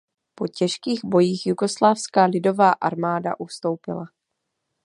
Po těžkých bojích Jugoslávská lidová armáda ustoupila.